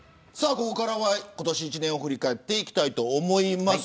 ここからは今年一年を振り返っていきたいと思います。